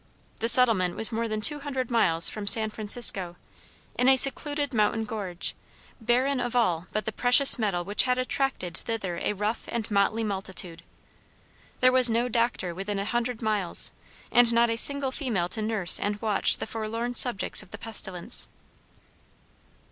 The settlement was more than two hundred miles from San Francisco, in a secluded mountain gorge, barren of all but the precious metal which had attracted thither a rough, and motley multitude. There was no doctor within a hundred miles, and not a single female to nurse and watch the forlorn subjects of the pestilence.